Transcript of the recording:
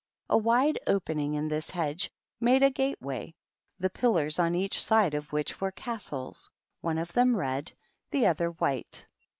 A wide opening in this hedge made a gate way, the pillars on each side of which were Castles, one of them Red, the other White.